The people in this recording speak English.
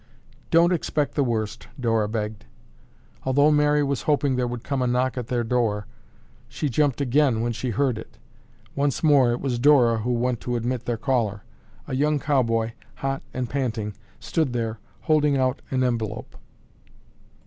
"Don't expect the worst," Dora begged. Although Mary was hoping there would come a knock at their door, she jumped again when she heard it. Once more it was Dora who went to admit their caller. A young cowboy, hot and panting, stood there holding out an envelope.